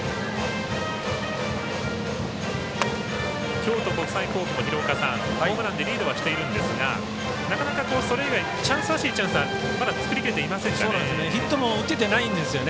京都国際高校もホームランでリードはしてるんですがなかなか、それ以外チャンスらしいチャンスはまだ作りきれていませんかね。